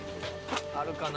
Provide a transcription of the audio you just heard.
あるかな？